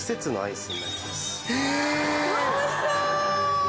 うわおいしそう！